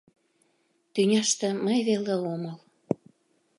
Тӱняште мый веле омыл.